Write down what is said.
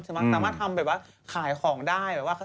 ฮือสมมติก็ทำแบบว่าขายของได้